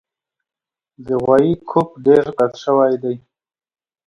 د غوایي ګوپ ډېر غټ شوی دی